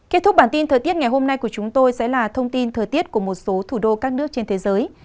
kết thúc bản tin thời tiết ngày hôm nay của chúng tôi sẽ là thông tin thời tiết của một số thủ đô các nước trên thế giới